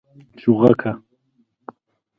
🐦 چوغکه